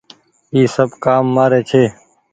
اي سب ڪآم مآري ڇي۔